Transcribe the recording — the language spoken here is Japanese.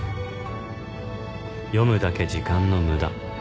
読むだけ時間のムダ